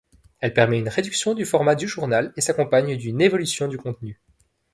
Elle permet une réduction du format du journal et s’accompagne d’une évolution du contenu.